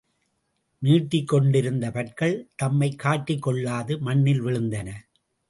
நீட்டிக் கொண்டிருந்த பற்கள் தம்மைக் காட்டிக்கொள்ளாது மண்ணில் விழுந்தன.